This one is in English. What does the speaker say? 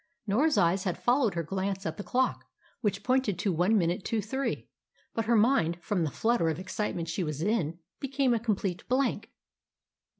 Norah's eyes had followed her glance at the clock, which pointed to one minute to three; but her mind, from the flutter of excitement she was in, became a complete blank.